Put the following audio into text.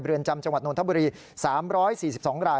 เรือนจำจังหวัดนทบุรี๓๔๒ราย